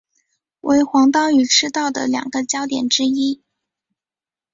为黄道与赤道的两个交点之一。